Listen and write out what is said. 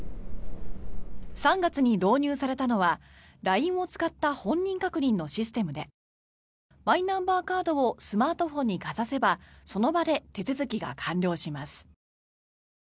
３月に導入されたのはＬＩＮＥを使った本人確認のシステムでマイナンバーカードをスマートフォンにかざせばその場で手続きが完了します。